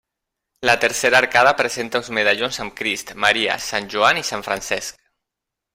La tercera arcada presenta uns medallons amb Crist, Maria, Sant Joan i Sant Francesc.